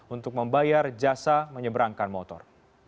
untuk membayar jasa menyeberangkan motor